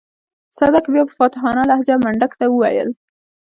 صدک بيا په فاتحانه لهجه منډک ته وويل.